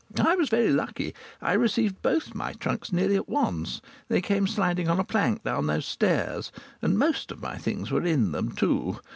I was very lucky. I received both my trunks nearly at once. They came sliding on a plank down those stairs. And most of my things were in them too.